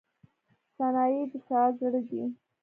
• ثانیې د ساعت زړه دی.